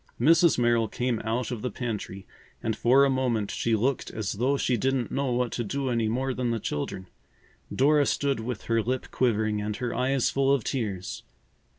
Mrs. Merrill came out of the pantry and for a moment she looked as though she didn't know what to do any more than the children. Dora stood with her lip quivering and her eyes full of tears.